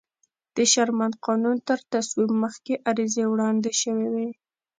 د شرمن قانون تر تصویب مخکې عریضې وړاندې شوې وې.